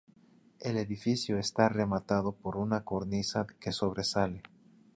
El edificio está rematado por una cornisa que sobresale.